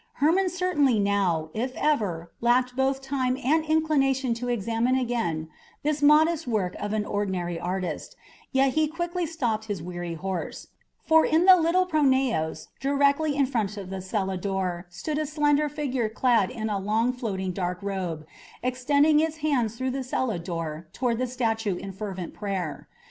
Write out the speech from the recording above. Hermon certainly now, if ever, lacked both time and inclination to examine again this modest work of an ordinary artist, yet he quickly stopped his weary horse; for in the little pronaos directly in front of the cella door stood a slender figure clad in a long floating dark robe, extending its hands through the cella door toward the statue in fervent prayer.